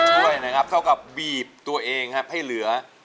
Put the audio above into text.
ไม่ใช้กว่าช่วยนะครับเข้ากับบีบตัวเองให้เหลือ